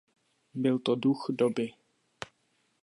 Byl to duch doby.